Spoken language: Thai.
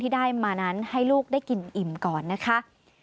ได้มานั้นให้ลูกได้กินอิ่มก่อนนะคะ